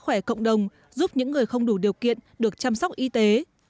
khỏe cộng đồng giúp những người không đủ điều kiện được chăm sóc y tế